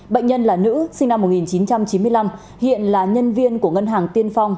bệnh nhân là nữ sinh năm một nghìn chín trăm chín mươi năm hiện là nhân viên của ngân hàng tiên phong